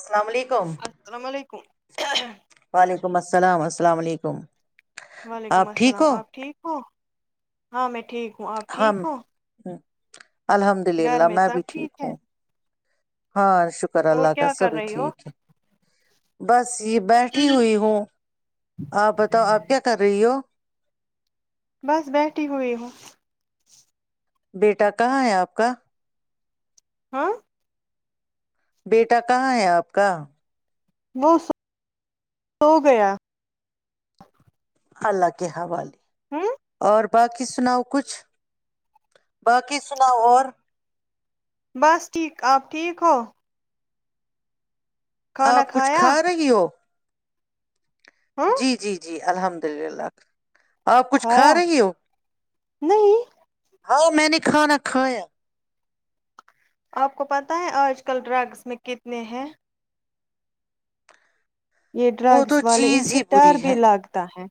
السلام علیکم السلام علیکم ا [inaudible] وعلیکم السلام السلام علیکم وعلیکم آپ ٹھیک السلام ہو آپ ٹھیک ہو ہاں میں ٹھیک ہ ا ٹھیک ہم ہوں الحمد للہ میں بھی ٹھیک ہے ہوں ہاں شکر اور اللہ کا کیا کر سبھی رہی ہو ٹھیک ہے بس یہ بیٹھی ہوئی ہوں آپ بتاؤ آپ کیا کر رہی ہو بس بیٹھی ہوئی ہوں بیٹا کہاں ہے آپ کا ہاں بیٹا کہاں ہے آپ کا وہ سو گیا اللہ کے حوالے ہوں اور باقی سناؤ کچھ باقی سناؤ اور بس ٹھیک آپ ٹھیک ہو کھانا آپ کچھ کھایا کھا رہی ہو ہاں جی جی جی الحمد للہ آپ کچھ کھا کھایا رہی ہو نہیں ہاں میں نے کھانا کھایا آپ کو پتا ہے آج کل ڈرگس میں کتنے ہیں یہ وہ ڈرگس تو والے ان چیز سے ہی ڈر بری ہے بھی لاگتا ہے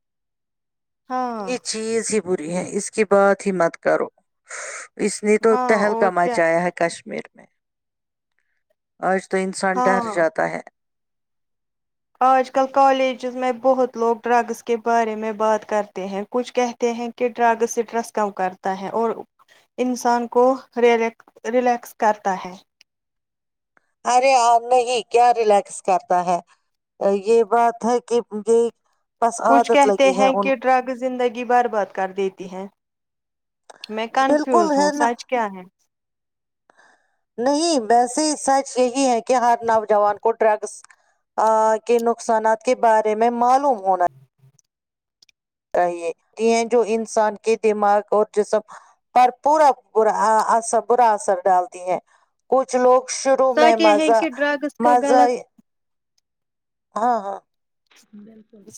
ہاں یہ چیز ہی بری ہے اس کی بات ہی مت کرو اس نے تو ہاں تہل کا اور کیا مچایا ہے کش میر میں آج تو انسان ڈر ہاں جاتا ہے آج کل کالجز میں بہت لوگ ڈرگز کے بارے میں بات کرتے ہیں کچھ کہتے ہیں کہ ڈرگز اسٹرس کم کرتا ہے اور انسان کو ر ریلیکس کرتا ہے ارے ہاں نہیں کیا ریلیکس کرتا ہے یہ بات ہے کہ یہ بس کچھ عادت کہتے لگی ہے ہیں ان کہ کو۔ ڈرگ زندگی بار بات کر دیتی ہیں میں بالکل کنفیوز ہوں ہے نا سچ کیا ہے نہیں ویسے سچ یہی ہے کہ ہر نوجوان کو ڈرگس کے نقصانات کے بارے میں معلوم ہونا چاہیےتی ہیں جو انسان کے دماغ اور جسم پر پورا با برا اثر ڈالتی ہے کچھ لوگ شروع میں سچ یہ ہے مزہ کہ ڈرگس کا مز آئی غلط ہاں ہاں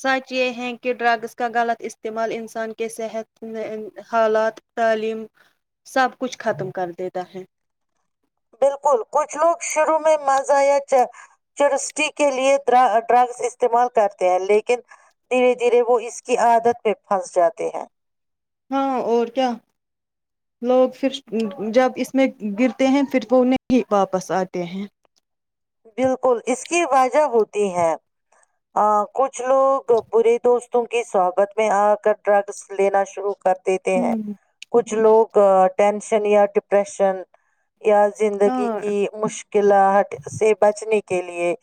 ساچی ہ کہ ڈرگز کا غلط استعمال انسان کے صحت حالات تعلیم سب کچھ ختم کر دیتا ہے بالکل کچھ لوگ شروع میں مزہ یا چرستٹی کےلئے ڈرگز استعمال کرتے ہیں لیکن دھیرے دھیرے وہ اس کی عادت پہ پھنس جاتے ہیں ہاں اور کیا لوگ پھر جب اس میں گرتے ہیں پھر وہ نہیں واپس آتے ہیں بالکل اس کی وجہ ہوتی ہے کچھ کچھ لوگ برے دوست ت کی سوگت میں آ کر ڈرگس لینا شروع کر دیتے ہیں ہوں کچھ لوگ ٹنشن یا ڈپریشن یا زندگی ہاں کی مشکلات بچنے کے لیے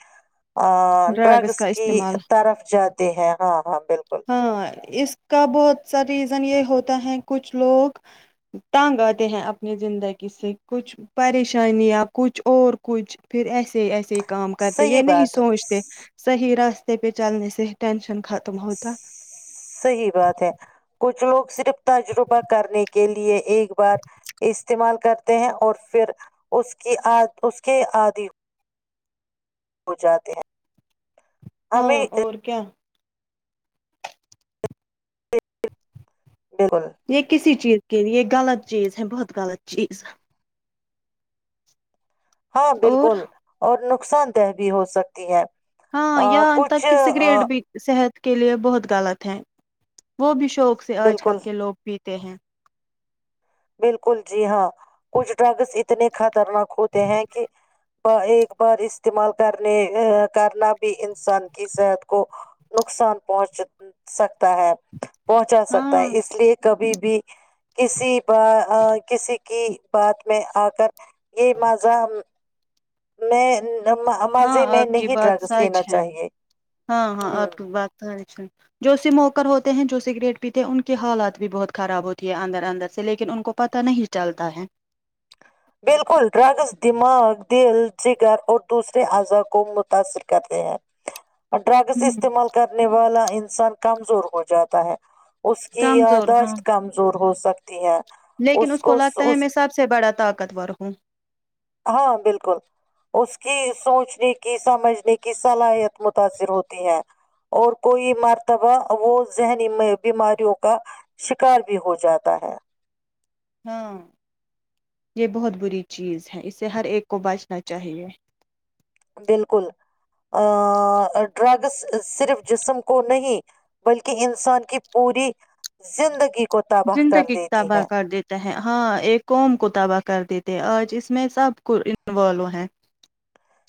آ ڈرگس کا کی استعمال طرف جاتی ہیں ہاں ہاں بالکل ہاں اس کا بہت سا ریزن یہ ہوتا ہے کچھ لوگ تنگ آتے ہیں اپنی زندگی سے کچھ پریشانیاں کچھ اور کچھ پھر ایسے ایسے کام کرتے صحیح یہ نہیں بات ہے سوچتے صحیح راستے پہ چلنے سے ٹینشن ختم ہوتا صحی بات ہے کچھ لوگ صرف تجربہ کرنے کے لیے ایک بار استعمال کرتے ہیں اور پھر اس کی اس کے آدی ہو جاتے ہیں ہاں ہمیں اور کیا بالکل یہ کسی چیز کے لیے غلط چیز ہے بہت غلط چیز ہاں اور بالکل اور ن نقصان دہ بھی ہو سکتی ہے ہاں آ، یہاں کچھ تک کہ آ، سگریٹ بھی صحت کے لیے بہت غلط ہے وہ بھی شوق سے آج بالکل کل کے لوگ بھییتے ت ہیں [unintelligible] بالکل جی ہاں کچھ ڈرگ س اتنے کھ خطرناک ہوتے ہیں کہ ایک بار استعمال کرنے کرنا بھی انسان کی صحت کو نقصان پہنچ سکتا ہے پہنچا سکتا ہے ہاں اس لیے کبھی بھی بھی کسی ب کسی [unintelligible] کی بات میں آ کر یہ مذہ میں [unintelligible] ہاں مزے میں آپ کی نہیں بات ڈرگس سچ لینا ہے چاہیے ہاں ہاں ہ آپ کی بات سچ ہے جو سموکر ہوتے ہیں جو سگریٹ پیتے ہیں ان کی حالات بھی بہت خراب ہوتی ہے اندر اندر سے لیکن ان کو پتہ نہیں چلتا ہے بالکل ڈرگز دماغ دل جگر اور دوسرے اعضاء کو متاثر کرتے ہیں ڈرگس ہوں استعمال کرنے والا انسان کمزور ہو جاتا ہے اس کی کمزور ہاں یاداشت کمزور ہو سکتی ہے لیکن اس کو لگتا ہے میں سب سے بڑا تق ہاں بالکل اس کی سوچنے کی سمجھنے کی صلاحیت متاثر ہوتی ہے اور کوئی مرتبہ وہ ذہنی بیماریوں کا شکار بھی ہو جاتا ہے ہاں یہ بہت بری چیز ہے اس سے ہر ایک کو بچنا چاہیے بالکل ڈرگس صرف جسم کو نہیں بلکہ انسان کی پوری زندگی کو تباہ کر زندگی دیتی تباہ ہے کر دیتا ہے ہے ہاں ایک قوم کو تباہ کر دیتے آج اس میں سب کو انوالو ہیں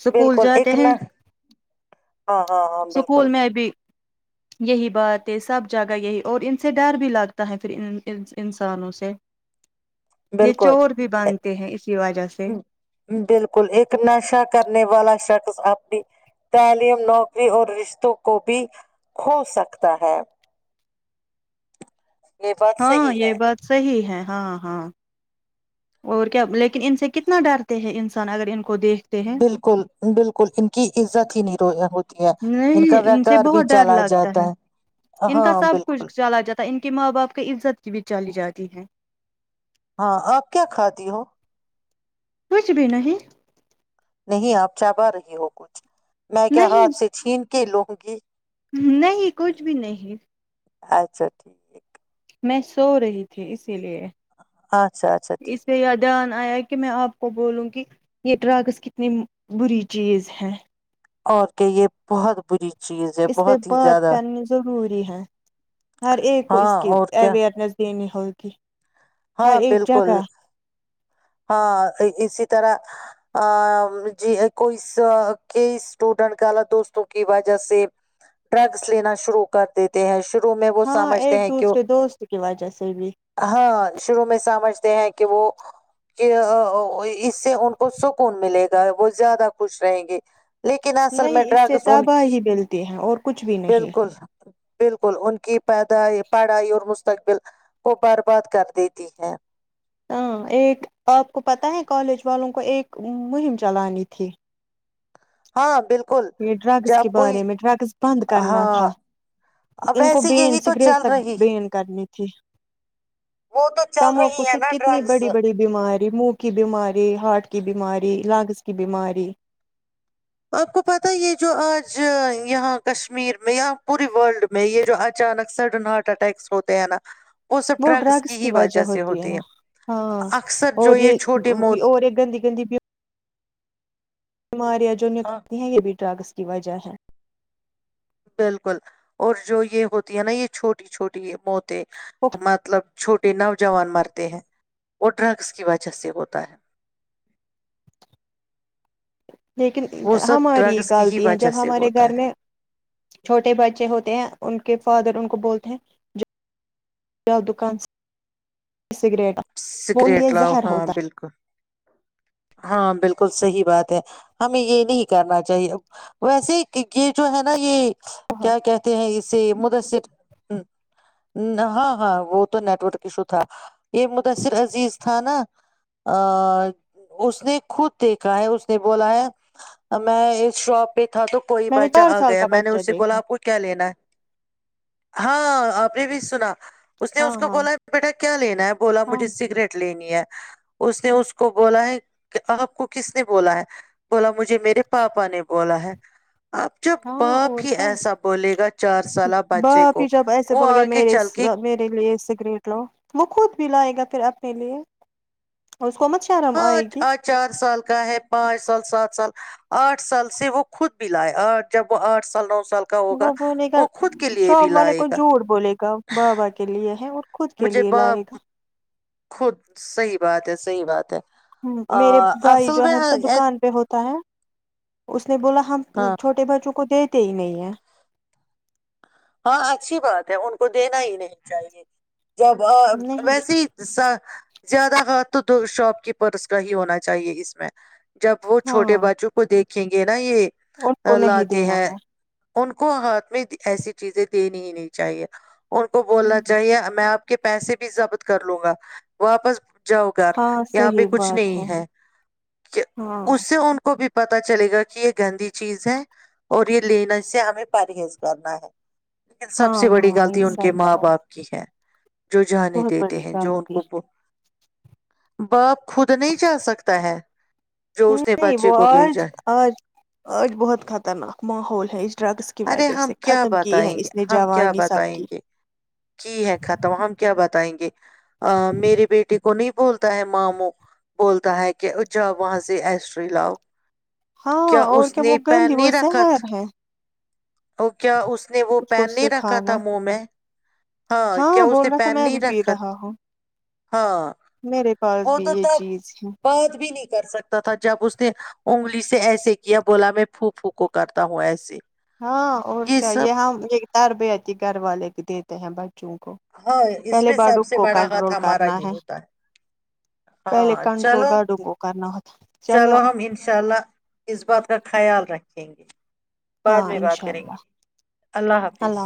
سکول بالکل جاتے ایک ہیں نہ ہاں ہاں ہاں بالکل سکول میں بھی یہی بات یہ سب جگہ یہی اور ان سے ڈر بھی لگتا ہے پھر ان انسانوں سے یہ بالکل چور بھی بنتے ہیں اسی وجہ سے بالکل ایک نشہ کرنے والا شا اپنی تعلیم نوکری اور رشتوں کو بھی کھو سکتا ہے یہ بات ہاں صحیح یہ ہے بات صحی ہے ہاں ہاں اور کیا لیکن ان سے کتنا ڈرتے ہیں انسان اگر ان کو دیکھتے ہیں بالکل بالکل ان کی عزت ہی نہیں رو ہوتی ہے کا نہیں ان سے ویکار بھی بہت ڈر چلا لگتا جاتا ہے ان کا ہاں سب بالکل کچھ چلا جاتا ہے ان کے ماں باپ کی عزت کی بھی چلی جاتی ہے ہاں آپ کیا کھاتی ہو کچھ بھی نہیں نہیں آپ چ پا رہی ہو کچھ میں کیا نہیں ہاتھ سے چھین کھیلووں گی نہیں کچھ بھی نہیں اچھا ٹھیک میں سو رہی تھی اس اسی لیے اچھا اچھا اس ٹھیک سے د آیا کہ میں آپ کو بولوں گی یہ رگس کتنی بری چیز ہے اور کہ یہ بہت بری چیز ہے اس پہ بہت ہی بات زیادہ کرنی ضروری ہے ہر ایک کو ہاں اس کی اور کیا اوئیرنیس دینی ہوک ہاں بالکل ہاں اسی طرح ا ج کوئی ک اسٹوڈینٹ دوستوں کی وجہ سے ڈرگس لینا شروع کر دیتے ہیںو ہاں ایک دوسرے دوست کی وجہ سے بھی ہاں سمجھتے ہیں کہ وہ اس سے ان کو سکون ملے گا وہ زیادہ خوش رہیں گے لیکن اصل میں نہیں اس سے ڈرگس ان کی تباہی ملتی ہے اور کچھ بھی نہیں بالکل بالکل ان کی پ پڑھائی اور مستقبل کو برباد کر دیتی تی ہے ہاں ایک آپ کو پتہ ہے کالج والوں کو ایک مہم چلانی تھی ہاں بالکل یہ ڈرگس کے جب کوئی بارے میں ڈرگس بند کرنا تھا ہاں اب ان کو ویسے بین یہی تو سگریٹ چل تک رہی بین کرنی تھی وہ تو چل تماکو رہی ہے سے نا کتنی ڈرگس بڑی بڑی بیماری منہ کی بیماری ہارٹ کی بیماری لگس کی بیماری آپ کو پت یہ جو آج یہاں کشمیر میں پوری ورلڈ میں یہ جو اچانک سڈن ہارٹ اٹیکس ہوتے ہیں نا سب وہ ڈرگس کی ہی وجہ سے ہوتی ہے ہوتے ہیں ہاں اکثر اور جو یہ چھوٹے موت اور یہ گندی گندی بیماریا جو نکلتی ہیں یہ بھی ڈر گس کی وجہ ہے بالکل اور جو یہ ہوتی ہے نا یہ چھوٹی چھوٹی یہ موت مطلب چھوٹ نوجوان مرتے ہیں وہ ڈرگس کی وجہ سے ہوتا ہے لیکن وہ سب ہماری ڈرگس کی ہی غالطی ہے وجہ جب سے ہمارے ہوتا گھر ہے میں چھوٹے بچے ہوتے ہیں ان کے فادر ان کو بولتے ہیں جاؤ دکان سے سگریٹ وہ سگریٹ لے لاؤ زہر ہاں ہوتا ہے بالکل ہاں بالکل صحی بات ہے ہمیں یہ نہیں کرنا چاہیے ویسے یہ جو ہے نا یہ بہت کیا کہتے ہیں اس سے مدثر ہاں ہاں وہ تو نیٹورک ایشو تھا یہ مدثر عزیز تھا نا اس نے خود دیکھا ہے اس نے بولا ہے میں اس شاپ پہ تھا تو کوئی میں نے بچا چار آ سال گیا کا میں نے بچہ اسے بولا دیکھا آپ کو کیا لینا ہے ہاں آپ نے بھی سنا اس نے ہاں اس کو ہاں بولا بیٹا کیا لینا ہے ہاں ج سگریٹ لینی ہے اس نے اس کو بولا ہے آپ کو کس نے بولا ہے بولا مجھے میرے پاپا نے بولا ہے اب جب ہاں باپ اور ہی کیا ایسا بولے گا چار سالہ بچے باپ کو جب ایسے وہ بول گئے آگے میرے چل کے میرے لیے سگریٹ لا وہ خود بھی لائے گا پھر اپنے لیے اس کو مت شرم ہاں آئے گی آج چار سال کا ہے پانچ سال سات سال آٹھ سال سے وہ خود بھی لائے آ جب وہ آٹھ سال نو سال کا ہوگا وہ بولے گا وہ خود کے لیے بھی شام والے لائے کو گا جھوٹ بولے گا بابا کے لیے ہے اور خود کے مجھے لیے ب لائے گا خود صحیح بات تو سحی بات ہے ہ آ، میرے بھائی اصل جو میں ہے ہاں تو دکان پہ ہوتا ہے اس نے بولا ہم ہاں چھوٹے بچوں کو کو د تے ہی نہیں ہے ہاں اچھی بات ہے ان کو دینا ہی نہیں چاہیے جب نہیں ویسے ہی س زیادہ ہات تو تو شاپ کیپرس کا ہی ہونا چاہیے اس میں جب وہ چھوٹے ہاں بچوں کو دیکھ رکھیں گے نا یہ ان کو آ، نہیں لاتے دینا ہیں ہے ان کو ہاتھ میں ایسی چیزیں دین ہی نہیں چاہیے ان کو بولنا چاہیے میں آ کے پیسے بھی ضبط کر لوں گا واپس جاؤ گار ہاں یہاں پہ صحیح کچھ بات نہیں ہے ہاں اس سے ان کو بھی پتا چلے گا کہ یہ گندی چیز ہے اور یہ لنے سے ہمیں پرہیز کرنا ہے لیکن سب ہاں سے بڑی ہاں غلط یہ ان کے سچ ماں ہے باپ کی ہے جو جانے بہت دیتے بڑی ہیں جو ان غلطی کو باپ خود نہیں جا سکتا ہے جو اس نے نہیں بچے وہ کو بھیجا آج ہے آج آج بہت خطرناک ماحول ہی ڈرگز کی ارے وجہ ہم سے کیا ختم کی ہیں بتائیں گے اس نے ہم کیا جوانی سب بتائیں کی گے کی ہے ختم ہم کیا بتائیں گے میرے بیٹے کو نہیں بولتا ہے ماموں بولتا ہے کہ جا وہاں سے ایسٹری لاؤ ہاں اور اس کیا وہ نے گندی وہ شہر ہے ا کیا اس اس نے وہ اس کو پین نہیں سے رکھا تھا کھانا منہ میں ہاں کیا اس بول نے رہا تھا پین میں نہیں بھی پی رکھا رہا ہوں تھا؟ ہاں میرے پاس وہ بھی تو یہ چیز ہے بات بھی نہیں کر سکتا تھا جب اس نے انگلی سے ایسے کیا بولا میں پھو پھو کو کرتا ہوں ایسے ہاں اور یہ کیا سب یہاں یہدار بی گھر والے بھی دیتے ہیں ب ہاں اس میں سب سے بڑا ہاتھ کنٹرول ہمارا کرنا ہی ہوتا ہے پہلے ہاں کنٹرول چلو باڑوں کو کرنا ہوتا چلو ہم ان شاء اللہ اس بات کا خیال رکھیں گے بعد ہاں میں بات انشاء کریں گے اللہ اللہ حافظ